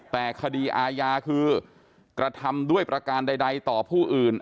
แต่คดีอาญาคือกระทำด้วยประการใดต่อผู้อื่น